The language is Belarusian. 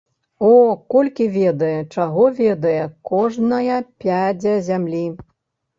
О, колькі ведае, чаго ведае кожная пядзя зямлі!